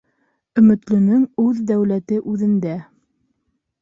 Өмөтлөнөң үҙ дәүләте үҙендә.